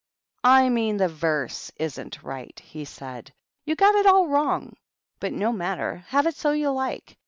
" I mean the verse isn't right," he said. " You' got it all wrong. But no matter; have it so you like.